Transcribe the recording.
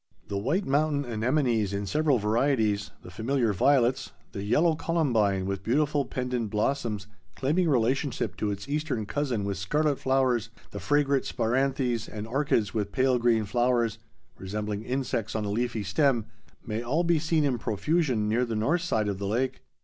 The white mountain anemones in several varieties, the familiar violets, the yellow columbine with beautiful pendent blossoms claiming relationship to its Eastern cousin with scarlet flowers, the fragrant spiranthes, and orchids with pale green flowers, resembling insects on a leafy stem, may all be seen in profusion near the north side of the lake.